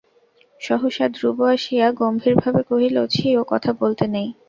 সহসা ধ্রুব আসিয়া গম্ভীর ভাবে কহিল, ছি, ও কথা বলতে নেই।